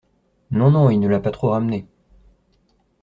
Non, non, il l’a pas trop ramenée.